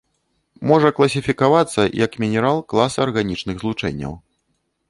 Можа класіфікавацца як мінерал класа арганічных злучэнняў.